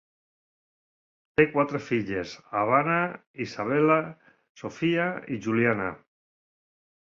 Té quatre filles: Havana, Isabella, Sophia i Juliana.